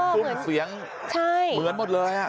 ทุ่มเสียงเหมือนหมดเลย